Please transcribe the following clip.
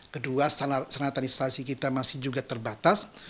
kedua senatanisasi kita masih juga terbatas